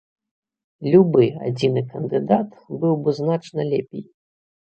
Любы адзіны кандыдат быў бы значна лепей.